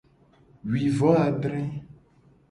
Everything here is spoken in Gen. Wi vo adre.